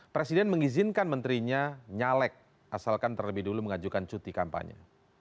presiden mengizinkan menterinya nyalek asalkan terlebih dulu mengajukan cuti kampanye